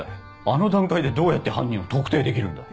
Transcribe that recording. あの段階でどうやって犯人を特定できるんだ